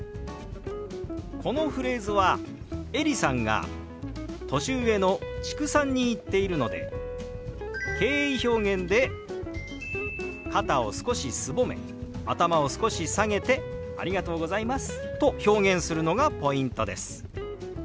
このフレーズはエリさんが年上の知久さんに言っているので敬意表現で肩を少しすぼめ頭を少し下げて「ありがとうございます」と表現するのがポイントです。